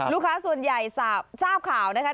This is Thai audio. ลูกค้าส่วนใหญ่ทราบข่าวนะคะ